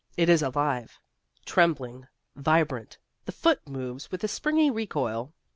It is alive, trembling, vibrant, the foot moves with a springy recoil.